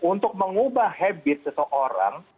untuk mengubah habit seseorang